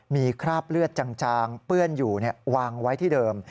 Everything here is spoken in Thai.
มีคราบเลือดจางเปื้อนอยู่วางไว้ที่เดิม